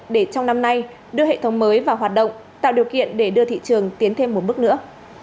để trong năm nay đưa hệ thống mới vào hoạt động tạo điều kiện để đưa thị trường tiến thêm một bước nữa